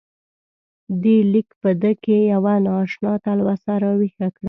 دې لیک په ده کې یوه نا اشنا تلوسه راویښه کړه.